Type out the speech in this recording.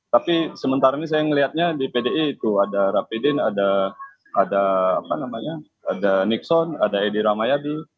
tapi sementara ini saya melihatnya di pdi itu ada rapidin ada nixon ada edi ramayadi